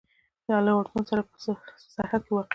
له اردن سره په سرحد کې واقع ده.